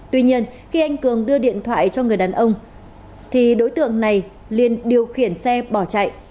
tuy nhiên khi anh cường đưa điện thoại cho người đàn ông thì đối tượng này liên điều khiển xe bỏ chạy